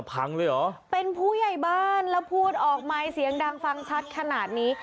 เป็นผู้ใหญ่บ้านแล้วพูดออกมายเสียงดังฟังชัดขนาดนี้